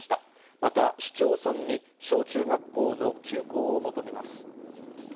また市町村に小中学校の休校を求めます。